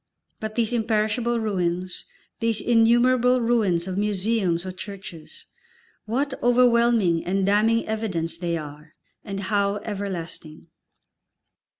But these imperishable ruins, these innumerable ruins of museums or churches, what overwhelming and damning evidence they are, and how everlasting!